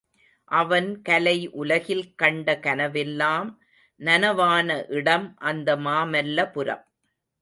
அவன் கலை உலகில் கண்ட கனவெல்லாம் நனவான இடம் அந்த மாமல்லபுரம்.